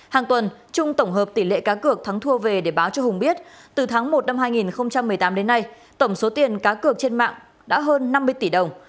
hàng tuần trung tổng hợp tỷ lệ cá cược thắng thua về để báo cho hùng biết từ tháng một năm hai nghìn một mươi tám đến nay tổng số tiền cá cược trên mạng đã hơn năm mươi tỷ đồng